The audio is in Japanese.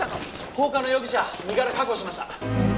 放火の容疑者身柄確保しました！